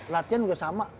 latihan udah sama